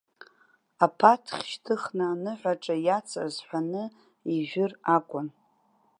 Аԥаҭхь шьҭыхны аныҳәаҿа иацыз ҳәаны ижәыр акәын.